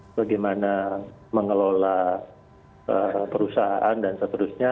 bagaimana mengelola perusahaan dan seterusnya